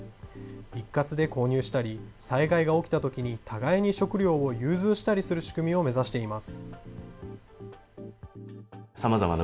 一括で購入したり、災害が起きたときに互いに食料を融通したりする仕組みを目指しています。